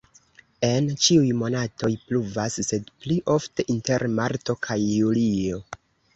En ĉiuj monatoj pluvas, sed pli ofte inter marto kaj julio.